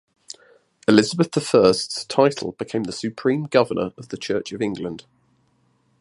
Elizabeth the First's title became the Supreme Governor of the Church of England.